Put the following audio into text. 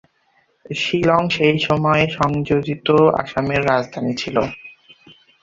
শিলং সেই সময়ে সংযোজিত আসামের রাজধানী ছিল।